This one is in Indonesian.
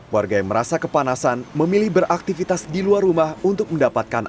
warga yang merasa kepanasan memilih beraktivitas di luar rumah untuk mendapatkan